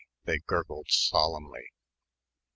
they gurgled solemnly, "Hi....